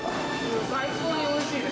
最高においしいです。